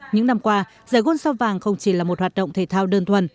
những năm qua giải gold sao vàng không chỉ là một hoạt động thể thao đơn thuần